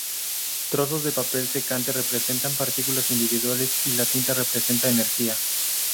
Trozos de papel secante representan partículas individuales y la tinta representa energía.